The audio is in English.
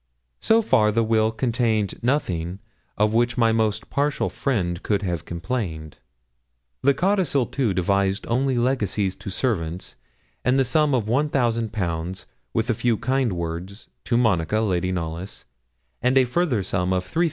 So far the will contained nothing of which my most partial friend could have complained. The codicil, too, devised only legacies to servants, and a sum of 1,000_l_., with a few kind words, to Monica, Lady Knollys, and a further sum of 3,000_l_.